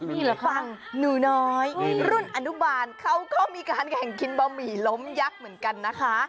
มีเหรอฟังหนูน้อยรุ่นอนุบาลเขาก็มีการแข่งกินบะหมี่ล้มยักษ์เหมือนกันนะคะ